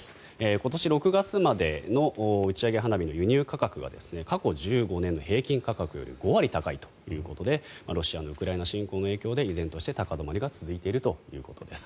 今年６月までの打ち上げ花火の輸入価格は過去１５年の平均価格より５割高いということでロシアのウクライナ侵攻の影響で依然として高止まりが続いているということです。